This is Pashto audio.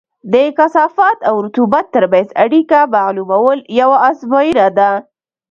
د کثافت او رطوبت ترمنځ اړیکه معلومول یوه ازموینه ده